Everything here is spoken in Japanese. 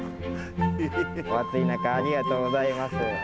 お暑い中、ありがとうございます。